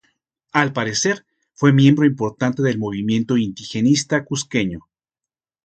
Al parecer fue miembro importante del movimiento indigenista cuzqueño.